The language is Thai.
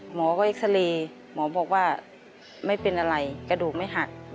หมอก็เอ็กซาเรย์หมอบอกว่าไม่เป็นอะไรกระดูกไม่หัก